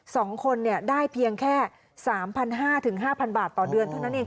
สองคนเนี่ยได้เพียงแค่สามพันห้าถึงห้าพันบาทต่อเดือนเท่านั้นเอง